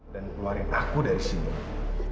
dan keluarin aku dari sini